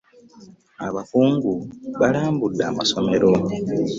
Abakungu balambudde amasomero.